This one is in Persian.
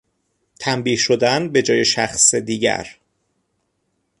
تنبیه شدن به جای شخص دیگر